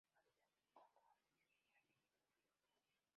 Habita en el Congo, Nigeria y en Etiopía.